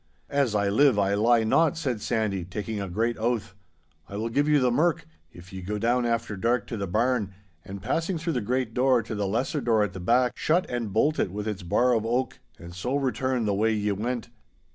'As I live I lie not,' said Sandy, taking a great oath. 'I will give you the merk, if ye go down after dark to the barn, and passing through the great door to the lesser door at the back, shut and bolt it with its bar of oak, and so return the way ye went.